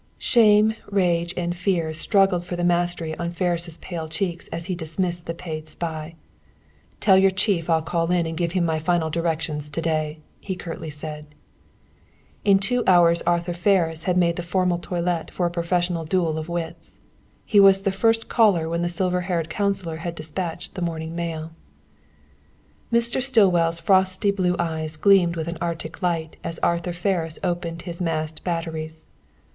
Shame, rage, and fear struggled for the mastery on Ferris' pale cheeks as he dismissed the paid spy. "Tell your chief I'll call in and give him my final directions to day," he curtly said. In two hours Arthur Ferris had made the formal toilet for a professional duel of wits. He was the first caller when the silver haired counselor had dispatched his morning mail. Mr. Stillwell's frosty blue eyes gleamed with an Arctic light as Arthur Ferris opened his masked batteries.